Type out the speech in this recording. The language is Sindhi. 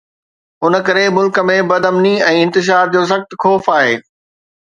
ان ڪري ملڪ ۾ بدامني ۽ انتشار جو سخت خوف آهي